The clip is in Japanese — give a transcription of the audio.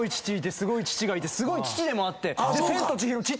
すごい父がいてすごい父でもあって。